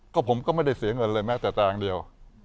ก็ผมก็ไม่ได้เสียเงินเลยแม้แต่ตารางเดียว